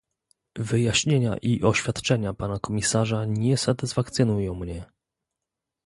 Wyjaśnienia i oświadczenia pana komisarza nie satysfakcjonują mnie